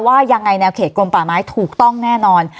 ว่ายังไงแนวเขตกลมป่าไม้ถูกต้องแน่นอน